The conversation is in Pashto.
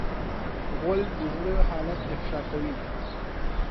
غول د زړه حالت هم افشا کوي.